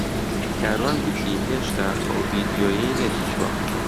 کاروان گوتی هێشتا ئەو ڤیدیۆیەی نەدیتووە.